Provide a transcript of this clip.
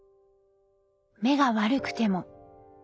目が悪くても。